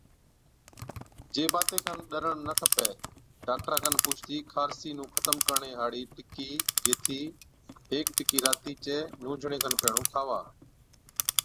جي باتي کن ڏرڻ نہ کپَي، ڊاڪٽرا کن پُوڇتِي خارسي نُون ختم ڪرڻي هاڙِي ٽڪِي گيهٿِي هيڪ ٽِڪِي راتِي چَي نُونجھڻي کن پيهڻُون کاوا۔